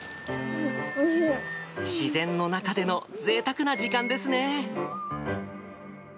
自然の中でのぜいたくな時間ですね。